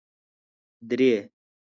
درې